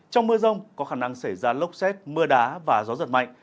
trong mưa rông có khả năng xảy ra lốc xét mưa đá và gió giật mạnh